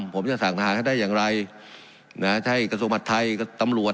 ผมจะสั่งทหารให้ได้อย่างไรนะใช่กระทรวงหัดไทยกับตำรวจ